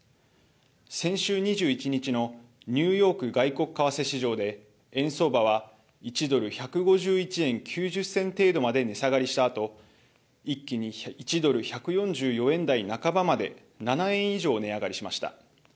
先週２１日のニューヨーク外国為替市場で円相場は１ドル１５１円９０銭程度まで値下がりしたあと一気に１ドル１４４円台半ばまで７円以上値上がりしました。